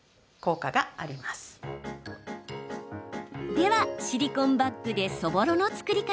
では、シリコンバッグでそぼろの作り方。